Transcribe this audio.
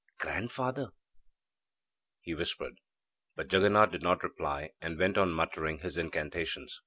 'Grandfather,' he whispered. But Jaganath did not reply, and went on muttering his incantations.